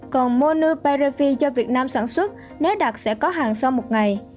còn monupreviv do việt nam sản xuất nếu đạt sẽ có hàng sau một ngày